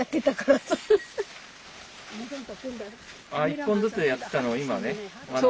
１本ずつやってたのを今ね学んで。